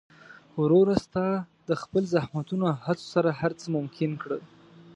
وروره! ستا د خپل زحمتونو او هڅو سره هر څه ممکن کړل.